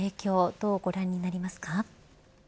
どうご覧になりますか。